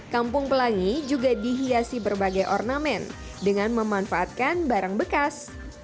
kampung pelangi juga dihiasi berbagai ornamen dengan memanfaatkan barang bekas